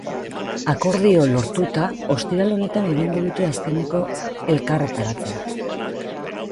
Akordio lortuta, ostiral honetan egingo dute azkeneko elkarretaratzea.